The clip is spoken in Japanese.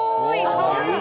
かわいい！